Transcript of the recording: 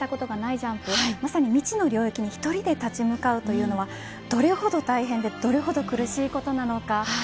ジャンプまさに未知の領域に一人で立ち向かうというのはどれほど大変でどれほど苦しいことなのか